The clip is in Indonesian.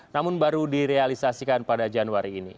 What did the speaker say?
namun baru direalisasikan pada januari ini